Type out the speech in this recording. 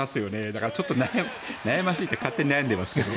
だから、ちょっと悩ましいって勝手に悩んでますけど。